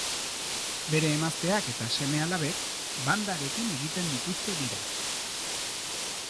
Bere emazteak eta seme-alabek bandarekin egiten dituzte birak.